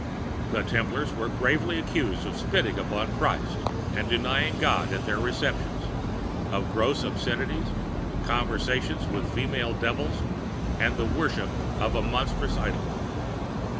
] The Templars were gravely accused of spitting upon Christ and denying God at their receptions, of gross obscenities, conversations with female devils, and the worship of a monstrous idol.